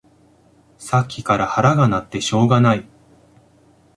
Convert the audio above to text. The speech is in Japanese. さっきから腹が鳴ってしょうがない